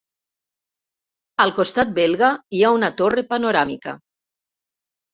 Al costat belga hi ha una torre panoràmica.